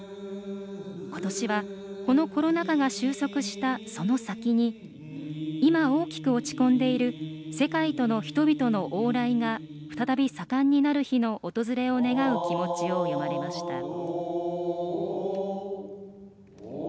今年は、このコロナ禍が収束したその先に今、大きく落ち込んでいる世界との人々の往来が再び盛んになる日の訪れを願う気持ちを詠まれました。